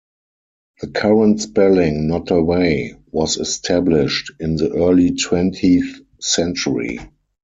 The current spelling "Nottaway" was established in the early twentieth century.